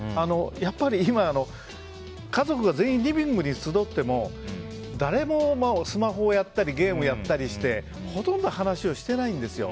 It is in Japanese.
やっぱり今、家族が全員リビングに集ってもスマホをやったりゲームをやったりしてほとんど話をしていないんですよ。